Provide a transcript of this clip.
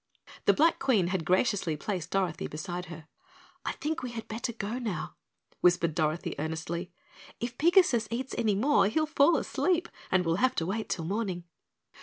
The Black Queen had graciously placed Dorothy beside her. "I think we had better go now," whispered Dorothy earnestly. "If Pigasus eats any more he'll fall asleep and we'll have to wait till morning."